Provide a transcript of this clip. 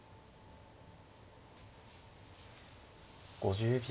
５０秒。